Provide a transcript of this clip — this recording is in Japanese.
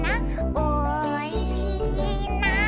「おいしいな」